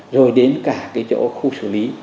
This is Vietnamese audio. rồi đến cả cái chỗ khu xử lý